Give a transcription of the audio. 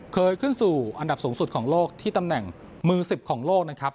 เคยขึ้นสู่อันดับสูงสุดของโลกที่ตำแหน่งมือ๑๐ของโลกนะครับ